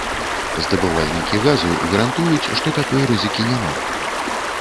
Здабывальнікі газу гарантуюць, што такой рызыкі няма.